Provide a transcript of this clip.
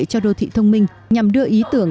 cho đô thị thông minh nhằm đưa ý tưởng